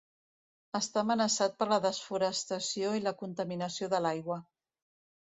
Està amenaçat per la desforestació i la contaminació de l'aigua.